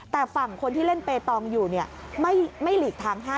แต่ฝั่งคนที่เล่นเปตองอยู่ไม่หลีกทางให้